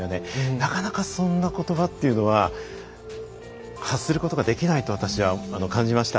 なかなかそんなことばというのは発することができないと私は感じました。